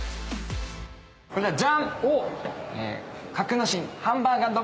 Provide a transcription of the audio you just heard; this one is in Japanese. こちらジャン！